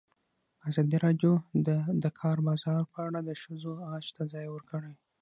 ازادي راډیو د د کار بازار په اړه د ښځو غږ ته ځای ورکړی.